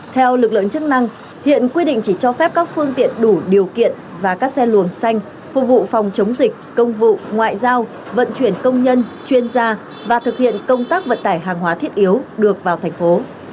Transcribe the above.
theo lực lượng chức năng hiện quy định chỉ cho phép các phương tiện đủ điều kiện và các xe luồng xanh phục vụ phòng chống dịch công vụ ngoại giao vận chuyển công nhân chuyên gia và thực hiện công tác vận tải hàng hóa thiết yếu được vào thành phố